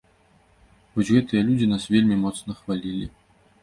Вось гэтыя людзі нас вельмі моцна хвалілі.